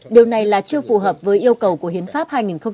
điều này là chưa phù hợp với yêu cầu của hiến pháp hai nghìn một mươi ba